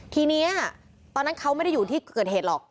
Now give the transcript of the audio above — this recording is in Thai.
ทีนี้ตอนนั้นเขาไม่ได้อยู่ที่เกิดเหตุหรอก